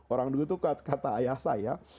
orang dulu itu kata ayah saya